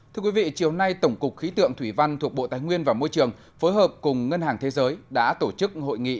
thưa quý vị chiều nay tổng cục khí tượng thủy văn thuộc bộ tài nguyên và môi trường phối hợp cùng ngân hàng thế giới đã tổ chức hội nghị